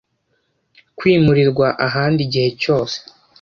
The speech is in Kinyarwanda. kwimurirwa ahandi igihe cyose